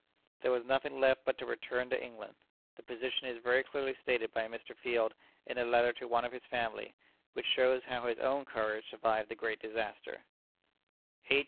There was nothing left but to return to England. The position is very clearly stated by Mr. Field in a letter to one of his family, which shows how his own courage survived the great disaster: "H.